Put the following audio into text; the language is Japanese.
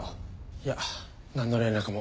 いやなんの連絡も。